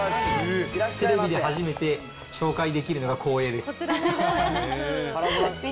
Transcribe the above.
テレビで初めて紹介できるのが光栄です。